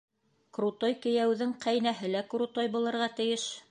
Крутой кейәүҙең ҡәйнәһе лә крутой булырға тейеш.